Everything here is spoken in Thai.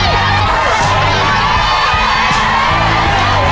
เลือด